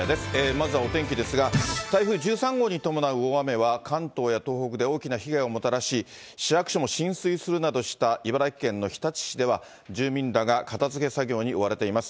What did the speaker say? まずはお天気ですが、台風１３号に伴う大雨は、関東や東北で大きな被害をもたらし、市役所も浸水するなどした茨城県の日立市では、住民らが片づけ作業に追われています。